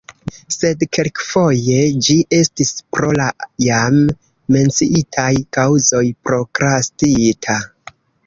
Sed kelkfoje ĝi estis pro la jam menciitaj kaŭzoj prokrastita.